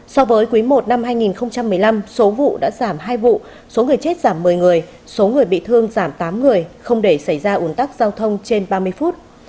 so với quý i năm hai nghìn một mươi năm số vụ đã giảm hai vụ số người chết giảm một mươi người số người bị thương giảm tám người không để xảy ra ủn tắc giao thông trên ba mươi phút